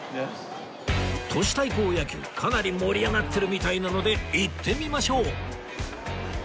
都市対抗野球かなり盛り上がってるみたいなので行ってみましょう